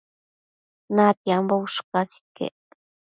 natiambo ushcas iquec